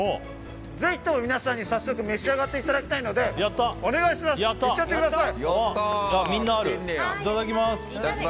ぜひとも皆さんに早速召し上がっていただきたいのでいっちゃってください！